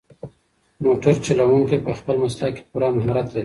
موټر چلونکی په خپل مسلک کې پوره مهارت لري.